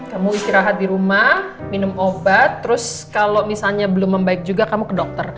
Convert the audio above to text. kamu istirahat di rumah minum obat terus kalau misalnya belum membaik juga kamu ke dokter